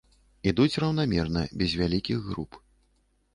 Ідуць раўнамерна, без вялікіх груп.